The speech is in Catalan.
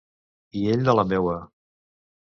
I ell de la meua.